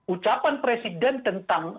ucapan presiden tentang menampung